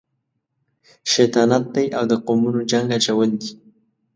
شیطانت دی او د قومونو جنګ اچول دي.